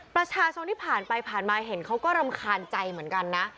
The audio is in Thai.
ประชาชนที่ผ่านไปผ่านมาเห็นเขาก็รำคาญใจเหมือนกันนะ